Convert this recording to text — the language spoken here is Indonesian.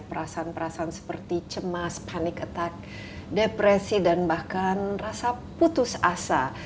perasaan perasaan seperti cemas panik attack depresi dan bahkan rasa putus asa